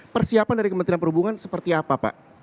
persiapan dari kementerian perhubungan seperti apa pak